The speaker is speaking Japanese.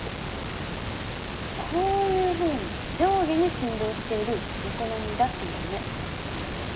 こういうふうに上下に振動している横波だって言えるね。